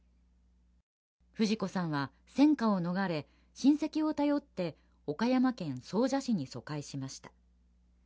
フジコさんは、戦火を逃れ親戚を頼って岡山県総社市に疎開しました。